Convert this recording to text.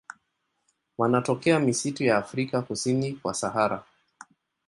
Wanatokea misitu ya Afrika kusini kwa Sahara.